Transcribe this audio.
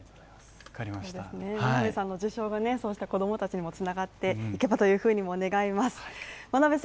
真鍋さんの受賞がそうした子供たちにもつながっていけばと願います。